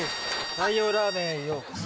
太陽ラーメンへようこそ。